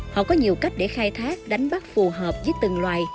họ có nhiều cách để khai thác đánh bắt phù hợp với từng loài